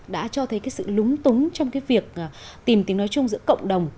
đã cho thấy cái sự lúng túng trong cái việc tìm tiếng nói chung giữa cộng đồng